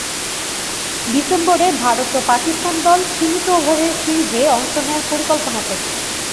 ডিসেম্বরে ভারত ও পাকিস্তান দল সীমিত ওভারের সিরিজে অংশ নেয়ার পরিকল্পনা করে।